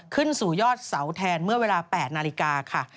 ขึ้นสู่ยอดเสาแทนเมื่อเวลา๘นาฬิกาค่ะ